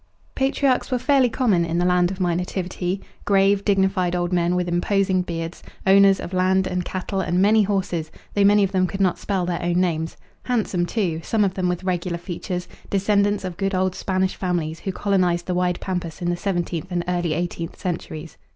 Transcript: Patriarchs were fairly common in the land of my nativity: grave, dignified old men with imposing beards, owners of land and cattle and many horses, though many of them could not spell their own names; handsome too, some of them with regular features, descendants of good old Spanish families who colonized the wide pampas in the seventeenth and early eighteenth centuries.